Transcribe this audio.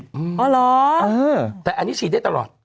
อ๋อเหรอแต่อันนี้ฉีดได้ตลอด